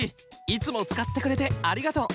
いつもつかってくれてありがとう！